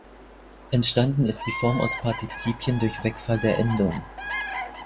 Entstanden ist die Form aus Partizipien durch Wegfall der Endung.